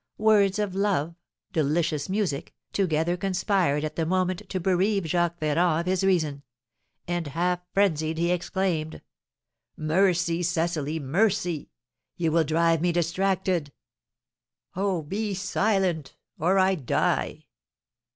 Words of love, delicious music, together conspired at the moment to bereave Jacques Ferrand of his reason; and, half frenzied, he exclaimed: "Mercy, Cecily, mercy! You will drive me distracted! Oh, be silent, or I die!